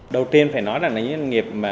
đầu tiên phải nói là những doanh nghiệp